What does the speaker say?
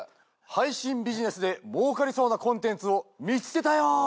配信ビジネスで儲かりそうなコンテンツを見つけたよ。